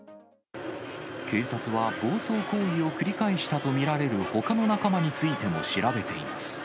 警察は、暴走行為を繰り返したと見られるほかの仲間についても調べています。